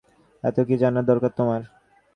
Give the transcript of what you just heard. এতো কি জানার দরকার তোমার?